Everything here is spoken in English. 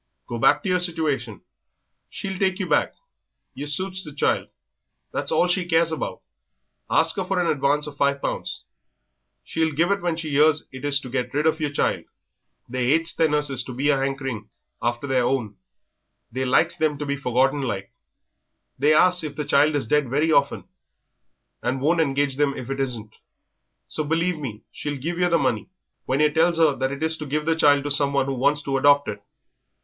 Go back to yer situation she'll take you back, yer suits the child, that's all she cares about; ask 'er for an advance of five pounds; she'll give it when she 'ears it is to get rid of yer child they 'ates their nurses to be a 'ankering after their own, they likes them to be forgotten like; they asks if the child is dead very often, and won't engage them if it isn't, so believe me she'll give yer the money when yer tells 'er that it is to give the child to someone who wants to adopt it.